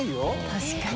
確かに。